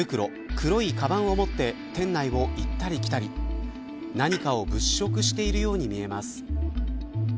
黒いかばんを持って店内を行ったり来たり。何かを物色しているように見えます。